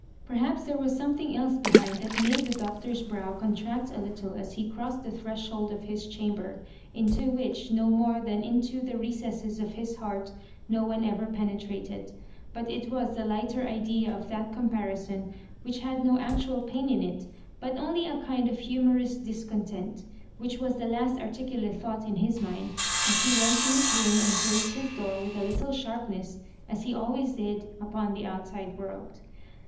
Perhaps there was some thing else behind that made the Doctor's brow contract a little as he crossed the threshold of his chamber, into which, no more than into the recesses of his heart, no one ever penetrated; but it was the lighter idea of that comparison, which had no actual pain in it, but only a kind of humorous discontent, which was the last articulate thought in his mind as he went to his room and dosed his door with a little sharpness, as he always did, upon tb)9 outside world.